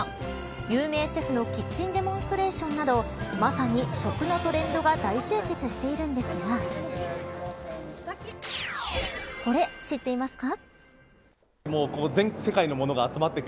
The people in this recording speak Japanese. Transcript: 有名シェフのキッチンデモンストレーションなどまさに食のトレンドが大集結しているんですがこれ、知っていますか。